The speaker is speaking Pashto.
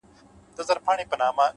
روښانه نیت روښانه پایله راوړي’